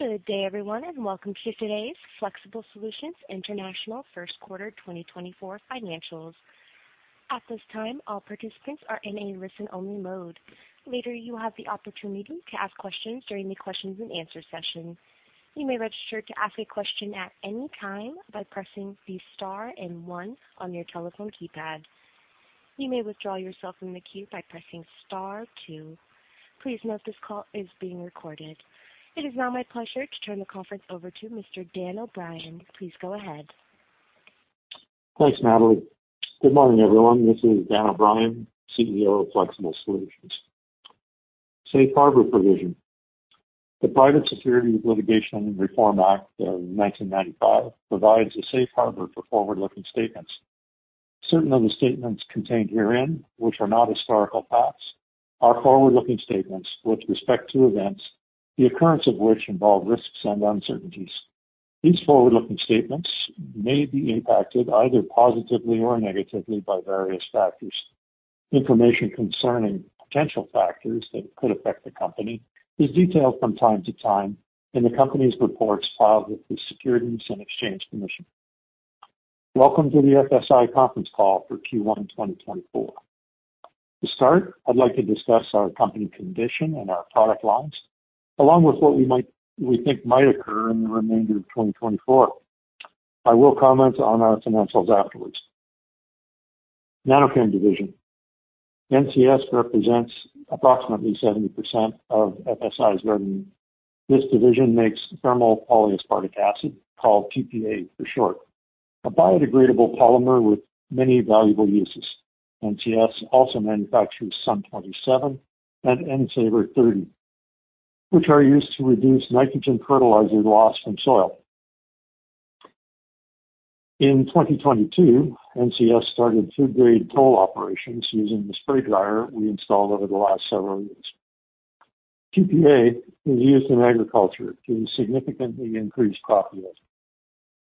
Good day, everyone, and welcome to today's Flexible Solutions International First Quarter 2024 Financials. At this time, all participants are in a listen-only mode. Later, you will have the opportunity to ask questions during the questions and answer session. You may register to ask a question at any time by pressing the star and one on your telephone keypad. You may withdraw yourself from the queue by pressing star two. Please note this call is being recorded. It is now my pleasure to turn the conference over to Mr. Dan O'Brien. Please go ahead. Thanks, Natalie. Good morning, everyone. This is Dan O'Brien, CEO of Flexible Solutions. Safe Harbor Provision. The Private Securities Litigation Reform Act of 1995 provides a safe harbor for forward-looking statements. Certain of the statements contained herein, which are not historical facts, are forward-looking statements with respect to events, the occurrence of which involve risks and uncertainties. These forward-looking statements may be impacted either positively or negatively by various factors. Information concerning potential factors that could affect the company is detailed from time to time in the company's reports filed with the Securities and Exchange Commission. Welcome to the FSI conference call for Q1 2024. To start, I'd like to discuss our company condition and our product lines, along with what we might--we think might occur in the remainder of 2024. I will comment on our financials afterwards. NanoChem division. NCS represents approximately 70% of FSI's revenue. This division makes thermal polyaspartic acid, called TPA for short, a biodegradable polymer with many valuable uses. NCS also manufactures SUN 27 and N-SavR 30, which are used to reduce nitrogen fertilizer loss from soil. In 2022, NCS started food-grade toll operations using the spray dryer we installed over the last several years. TPA is used in agriculture to significantly increase crop yield.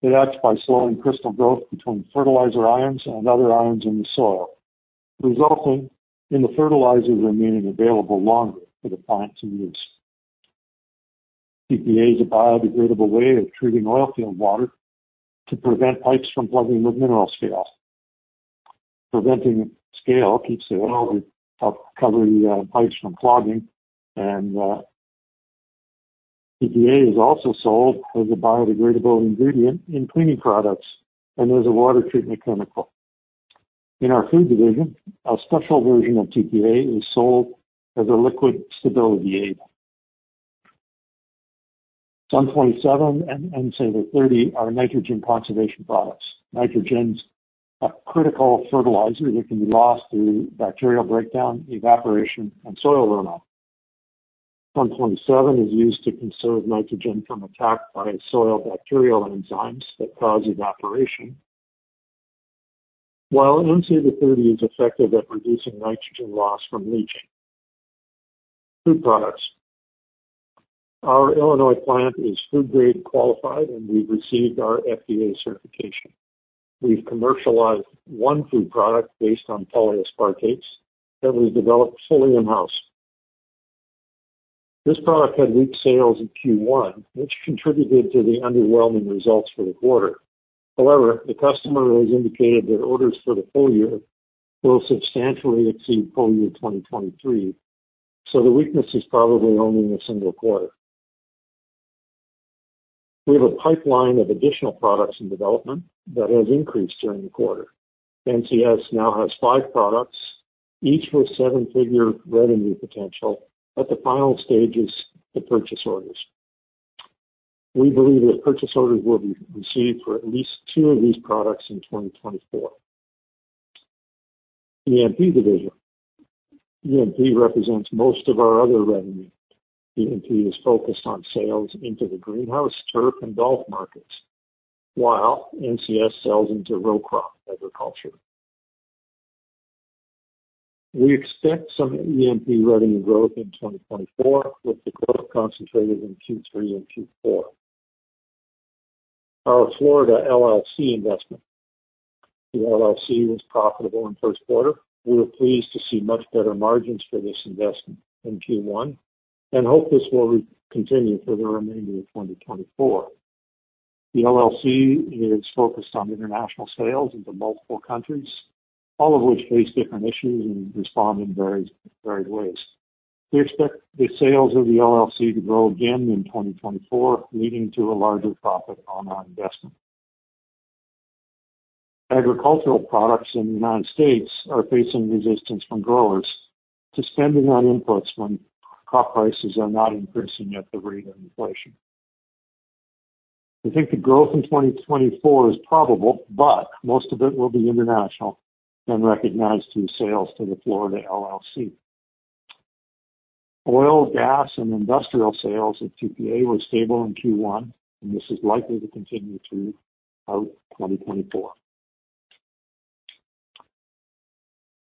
It acts by slowing crystal growth between fertilizer ions and other ions in the soil, resulting in the fertilizer remaining available longer for the plant to use. TPA is a biodegradable way of treating oil field water to prevent pipes from plugging with mineral scale. Preventing scale keeps the oil and oil covering, pipes from clogging, and, TPA is also sold as a biodegradable ingredient in cleaning products and as a water treatment chemical. In our food division, a special version of TPA is sold as a liquid stability aid. SUN 27 and N-SavR 30 are nitrogen conservation products. Nitrogen's a critical fertilizer that can be lost through bacterial breakdown, evaporation, and soil runoff. SUN 27 is used to conserve nitrogen from attack by soil bacterial enzymes that cause evaporation, while N-SavR 30 is effective at reducing nitrogen loss from leaching. Food products. Our Illinois plant is food grade qualified, and we've received our FDA certification. We've commercialized one food product based on polyaspartate that we've developed fully in-house. This product had weak sales in Q1, which contributed to the underwhelming results for the quarter. However, the customer has indicated their orders for the full year will substantially exceed full year 2023, so the weakness is probably only in a single quarter. We have a pipeline of additional products in development that has increased during the quarter. NCS now has five products, each with seven-figure revenue potential, at the final stages to purchase orders. We believe that purchase orders will be received for at least two of these products in 2024. ENP division. ENP represents most of our other revenue. ENP is focused on sales into the greenhouse, turf, and golf markets, while NCS sells into row crop agriculture. We expect some ENP revenue growth in 2024, with the growth concentrated in Q3 and Q4. Our Florida LLC investment. The LLC was profitable in first quarter. We were pleased to see much better margins for this investment in Q1 and hope this will continue for the remainder of 2024. The LLC is focused on international sales into multiple countries, all of which face different issues and respond in varied ways. We expect the sales of the LLC to grow again in 2024, leading to a larger profit on our investment. Agricultural products in the United States are facing resistance from growers to spending on inputs when crop prices are not increasing at the rate of inflation. We think the growth in 2024 is probable, but most of it will be international and recognized through sales to the Florida LLC. Oil, gas, and industrial sales at TPA were stable in Q1, and this is likely to continue through 2024.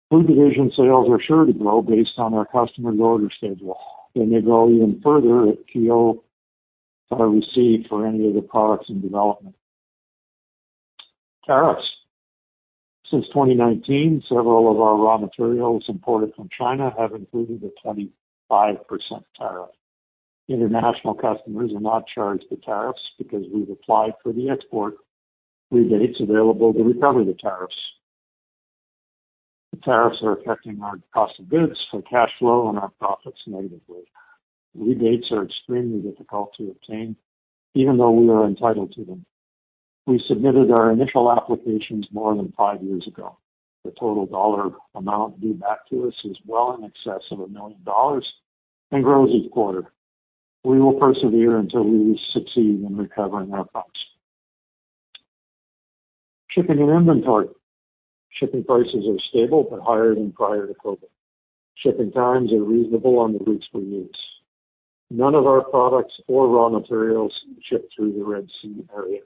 Food division sales are sure to grow based on our customers' order schedule. They may grow even further if POs are received for any of the products in development.... Tariffs. Since 2019, several of our raw materials imported from China have included a 25% tariff. International customers are not charged the tariffs because we've applied for the export rebates available to recover the tariffs. The tariffs are affecting our cost of goods, our cash flow, and our profits negatively. Rebates are extremely difficult to obtain, even though we are entitled to them. We submitted our initial applications more than five years ago. The total dollar amount due back to us is well in excess of $1 million and grows each quarter. We will persevere until we succeed in recovering our funds. Shipping and inventory. Shipping prices are stable but higher than prior to COVID. Shipping times are reasonable on the routes we use. None of our products or raw materials ship through the Red Sea area.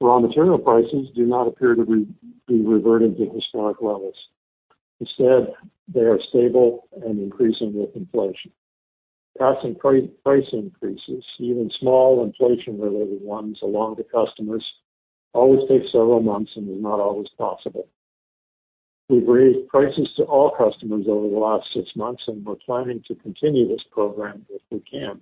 Raw material prices do not appear to be reverting to historic levels. Instead, they are stable and increasing with inflation. Passing price increases, even small inflation-related ones, along to customers always takes several months and is not always possible. We've raised prices to all customers over the last six months, and we're planning to continue this program if we can.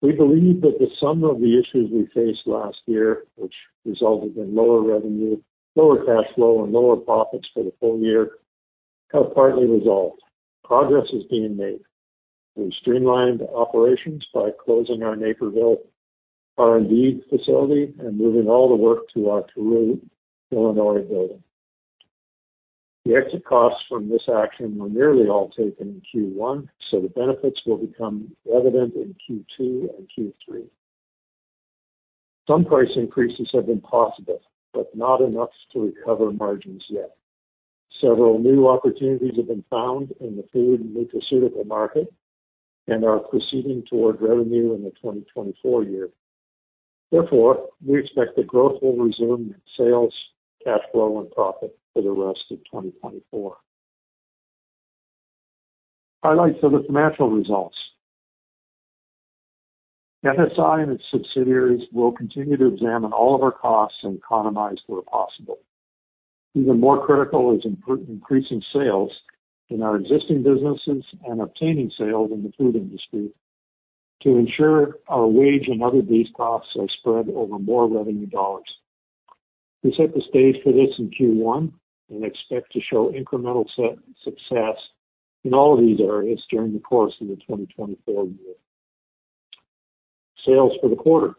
We believe that the sum of the issues we faced last year, which resulted in lower revenue, lower cash flow, and lower profits for the full year, have partly resolved. Progress is being made. We've streamlined operations by closing our Naperville R&D facility and moving all the work to our Peoria, Illinois, building. The exit costs from this action were nearly all taken in Q1, so the benefits will become evident in Q2 and Q3. Some price increases have been possible, but not enough to recover margins yet. Several new opportunities have been found in the food and nutraceutical market and are proceeding toward revenue in the 2024 year. Therefore, we expect that growth will resume in sales, cash flow, and profit for the rest of 2024. Highlights of the financial results. FSI and its subsidiaries will continue to examine all of our costs and economize where possible. Even more critical is increasing sales in our existing businesses and obtaining sales in the food industry to ensure our wage and other base costs are spread over more revenue dollars. We set the stage for this in Q1 and expect to show incremental success in all of these areas during the course of the 2024 year. Sales for the quarter.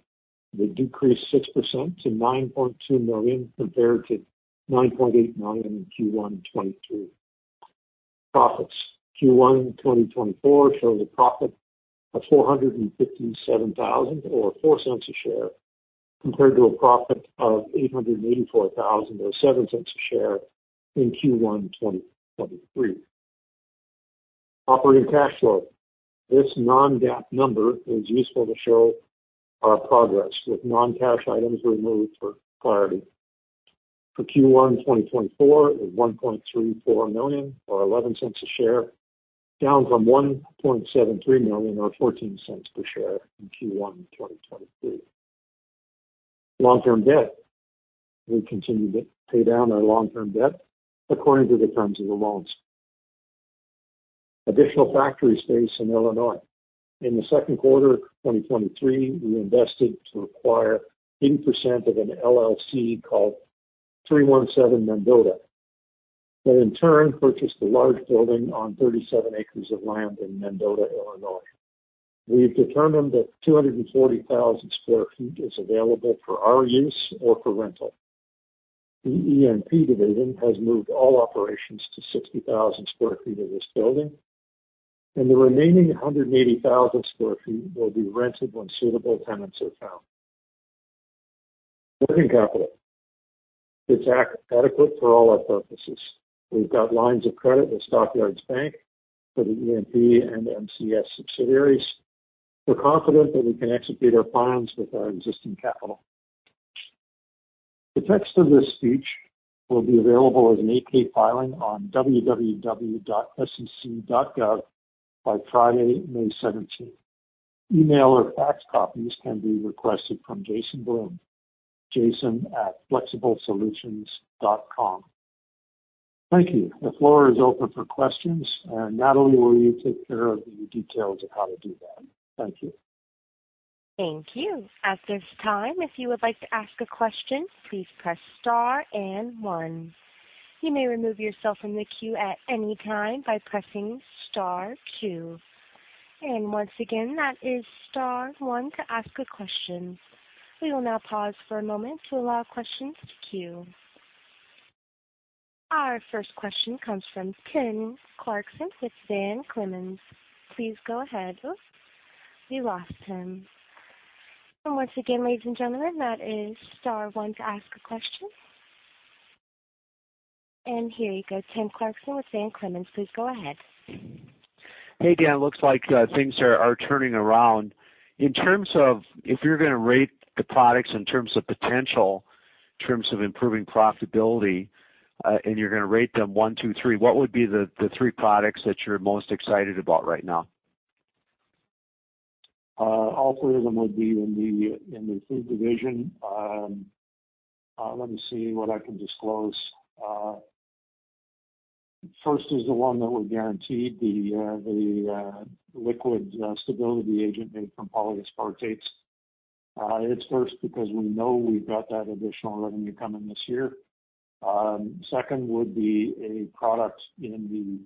They decreased 6% to $9.2 million compared to $9.89 million in Q1 2023. Profits. Q1 2024 showed a profit of $457,000, or $0.04 per share, compared to a profit of $884,000, or $0.07 per share, in Q1 2023. Operating cash flow. This non-GAAP number is useful to show our progress, with non-cash items removed for clarity. For Q1 2024, it was $1.34 million, or $0.11 per share, down from $1.73 million, or $0.14 per share, in Q1 2023. Long-term debt. We continue to pay down our long-term debt according to the terms of the loans. Additional factory space in Illinois. In the second quarter of 2023, we invested to acquire 80% of an LLC called 317 Mendota, that in turn purchased a large building on 37 acres of land in Mendota, Illinois. We've determined that 240,000 sq ft is available for our use or for rental. The ENP division has moved all operations to 60,000 sq ft of this building, and the remaining 180,000 sq ft will be rented when suitable tenants are found. Working capital. It's adequate for all our purposes. We've got lines of credit with Stock Yards Bank for the ENP and NCS subsidiaries. We're confident that we can execute our plans with our existing capital. The text of this speech will be available as an 8-K filing on www.sec.gov by Friday, May seventeenth. Email or fax copies can be requested from Jason Bloom, jason@flexiblesolutions.com. Thank you. The floor is open for questions, and Natalie will you take care of the details of how to do that? Thank you. Thank you. At this time, if you would like to ask a question, please press star and one. You may remove yourself from the queue at any time by pressing star two. Once again, that is star one to ask a question. We will now pause for a moment to allow questions to queue. Our first question comes from Tim Clarkson with Van Clemens. Please go ahead. Oh, we lost him. Once again, ladies and gentlemen, that is star one to ask a question. And here you go. Tim Clarkson with Van Clemens, please go ahead. Hey, Dan. Looks like things are turning around. In terms of if you're gonna rate the products in terms of potential, in terms of improving profitability, and you're gonna rate them one, two, three, what would be the three products that you're most excited about right now?... All three of them would be in the food division. Let me see what I can disclose. First is the one that we're guaranteed, the liquid stability agent made from polyaspartates. It's first because we know we've got that additional revenue coming this year. Second would be a product in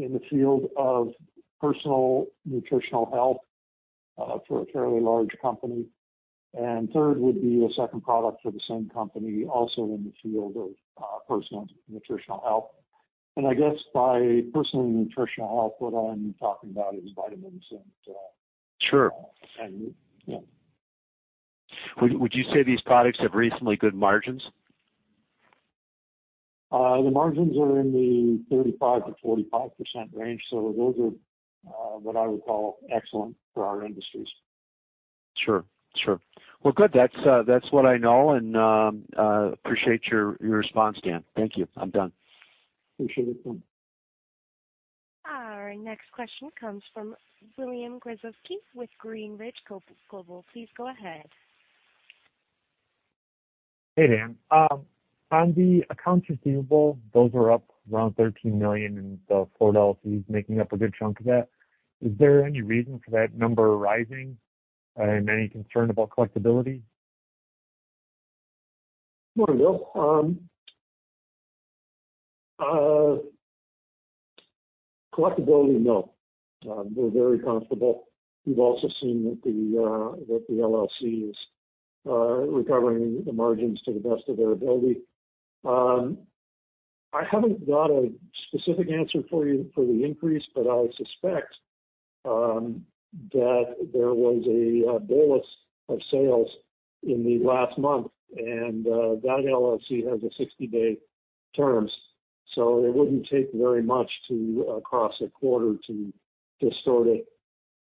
the field of personal nutritional health for a fairly large company. And third would be a second product for the same company, also in the field of personal nutritional health. And I guess by personal nutritional health, what I'm talking about is vitamins and- Sure. And, yeah. Would you say these products have reasonably good margins? The margins are in the 35%-45% range, so those are what I would call excellent for our industries. Sure. Sure. Well, good. That's, that's what I know, and appreciate your, your response, Dan. Thank you. I'm done. Appreciate it. Our next question comes from William Gregozeski with Greenridge Global. Please go ahead. Hey, Dan. On the accounts receivable, those are up around $13 million, and the Florida LLC is making up a good chunk of that. Is there any reason for that number rising, and any concern about collectibility? Good morning, Bill. Collectibility, no. We're very comfortable. We've also seen that the LLC is recovering the margins to the best of their ability. I haven't got a specific answer for you for the increase, but I would suspect that there was a bolus of sales in the last month, and that LLC has a 60-day terms, so it wouldn't take very much to, across a quarter to distort it,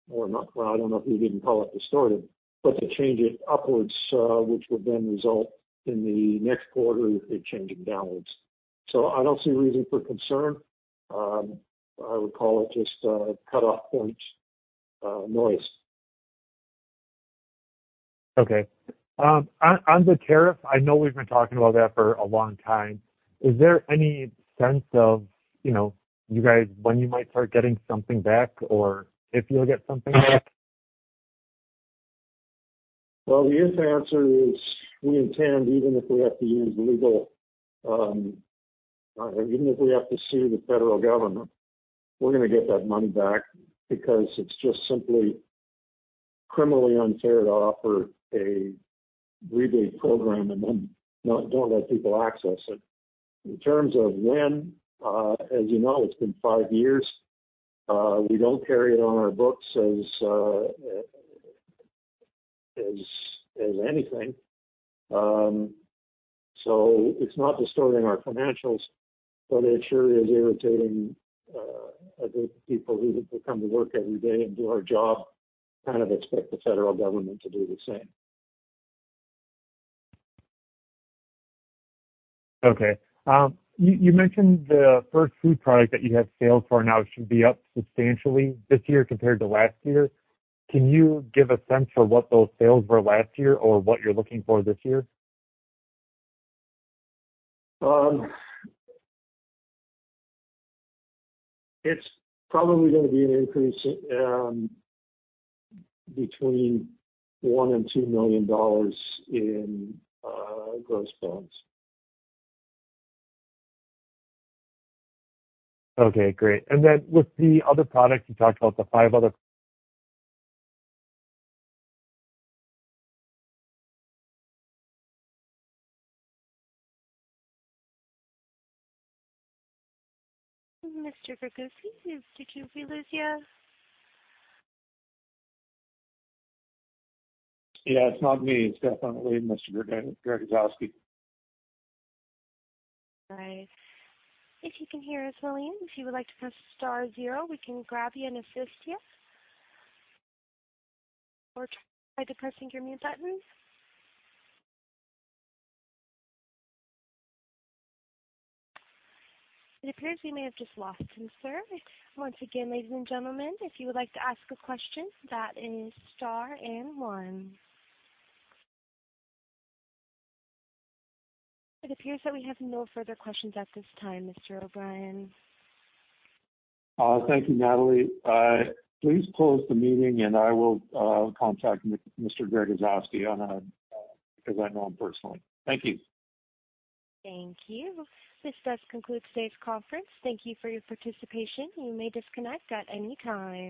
or not... Well, I don't know if we even call it distorted, but to change it upwards, which would then result in the next quarter, it changing downwards. So I don't see a reason for concern. I would call it just cutoff point noise. Okay. On the tariff, I know we've been talking about that for a long time. Is there any sense of, you know, you guys, when you might start getting something back or if you'll get something back? Well, the easy answer is we intend, even if we have to use legal, even if we have to sue the federal government, we're gonna get that money back because it's just simply criminally unfair to offer a rebate program and then not-not let people access it. In terms of when, as you know, it's been five years. We don't carry it on our books as anything. So it's not distorting our financials, but it sure is irritating the people who come to work every day and do our job, kind of expect the federal government to do the same. Okay, you mentioned the first food product that you have sales for now should be up substantially this year compared to last year. Can you give a sense for what those sales were last year or what you're looking for this year? It's probably gonna be an increase between $1 million and $2 million in gross sales. Okay, great. And then with the other products, you talked about the five other- Mr. Gregozeski, did we lose you? Yeah, it's not me. It's definitely Mr. Gregozeski. All right. If you can hear us, William, if you would like to press star zero, we can grab you and assist you. Or try to pressing your mute button. It appears we may have just lost him, sir. Once again, ladies and gentlemen, if you would like to ask a question, that is star and one. It appears that we have no further questions at this time, Mr. O’Brien. Thank you, Natalie. Please close the meeting, and I will contact Mr. Gregozeski on a, because I know him personally. Thank you. Thank you. This does conclude today's conference. Thank you for your participation. You may disconnect at any time.